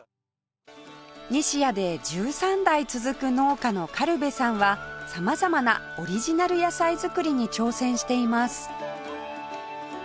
西谷で１３代続く農家の苅部さんは様々なオリジナル野菜作りに挑戦しています